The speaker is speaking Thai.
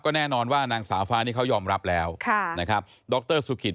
ก็แน่นอนว่านางสาวฟ้านี่เขายอมรับแล้วดรสุฟิษฐ์